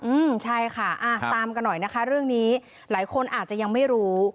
อืมใช่ค่ะอ่าตามกันหน่อยนะคะเรื่องนี้หลายคนอาจจะยังไม่รู้